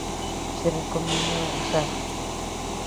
Se recomienda usar